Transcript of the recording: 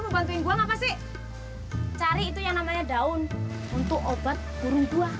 mau bantuin gua enggak pasti cari itu yang namanya daun untuk obat burung tua